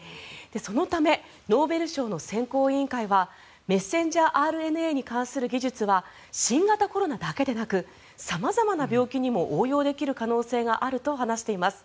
そのためノーベル賞の選考委員会はメッセンジャーＲＮＡに関する技術は新型コロナだけでなく様々な病気にも応用できる可能性があると話しています。